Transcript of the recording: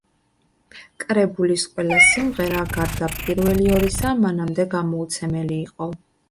კრებულის ყველა სიმღერა, გარდა პირველი ორისა, მანამდე გამოუცემელი იყო.